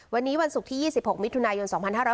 วันนี้วันศุกร์ที่๒๖มิถุนายน๒๕๕๙